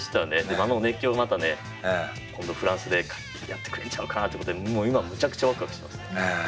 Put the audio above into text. あの熱狂をまたね今度フランスでやってくれんちゃうかなってことでもう今むちゃくちゃワクワクしてますね。